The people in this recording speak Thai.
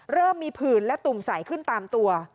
เริ่มมีผื่นและตุ่มใสขึ้นตามตัว